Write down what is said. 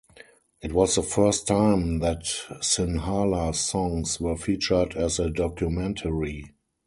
It was the first time that Sinhala songs were featured as a documentary.